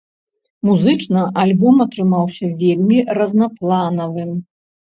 Музычна альбом атрымаўся вельмі разнапланавым.